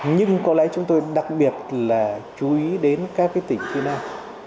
nhưng có lẽ chúng tôi đặc biệt là chú ý đến các tỉnh phía nam